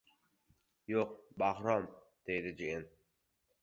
— Yo‘q, Bahrom, — dedi jiyan.